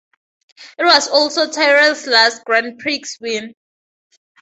It was also Tyrrell's last Grand Prix win.